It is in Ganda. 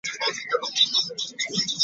Omuwala abuuka omuguwa mwagalanyo.